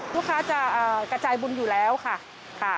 ลูกค้าจะกระจายบุญอยู่แล้วค่ะ